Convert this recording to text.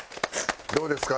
どうですか？